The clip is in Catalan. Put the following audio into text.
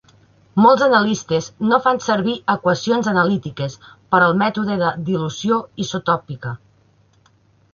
Molts analistes no fan servir equacions analítiques per al mètode de dilució isotòpica.